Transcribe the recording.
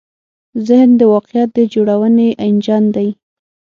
ذهن د واقعیت د جوړونې انجن دی.